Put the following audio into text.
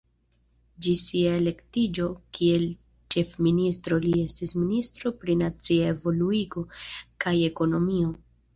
Ĝis sia elektiĝo kiel ĉefministro li estis ministro pri nacia evoluigo kaj ekonomio.